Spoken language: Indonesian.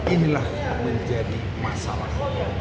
inilah yang menjadi masalah